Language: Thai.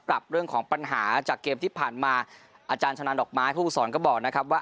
ปรับเรื่องของปัญหาจากเกมที่ผ่านมาอาจารย์ชนะดอกไม้ผู้สอนก็บอกนะครับว่า